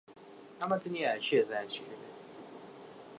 ئەمە دنیایە، کێ دەزانێ چ دەبێ!